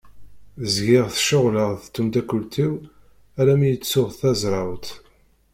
Zgiɣ ceɣleɣ d temddakelt-iw alammi i ttuɣ tazrawt.